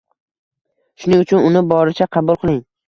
Shuning uchun uni boricha qabul qiling: